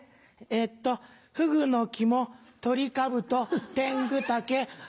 えっとフグの肝トリカブトテングタケ。